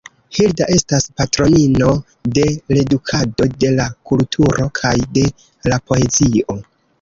Hilda estas patronino de l’edukado, de la kulturo kaj de la poezio.